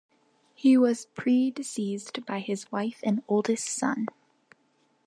He was predeceased by his wife and oldest son.